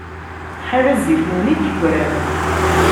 Ḥala zzit-nwen i d-yegran.